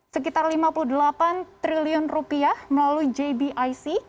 sekitar lima puluh delapan triliun rupiah melalui jbic